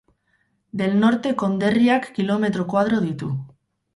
Del Norte konderriak kilometro koadro ditu.